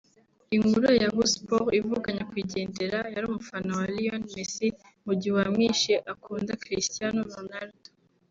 Inkuru ya Yahoo Sports ivuga nyakwigendera yari umufana wa Lionel Messi mu gihe uwamwishe akunda Cristiano Ronaldo